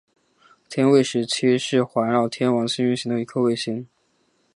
天卫十七是环绕天王星运行的一颗卫星。